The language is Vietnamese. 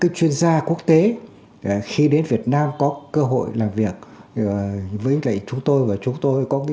các chuyên gia quốc tế khi đến việt nam có cơ hội làm việc với chúng tôi và chúng tôi có cái